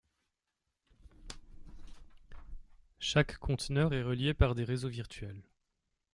Chaque conteneur est relié par des réseaux virtuels.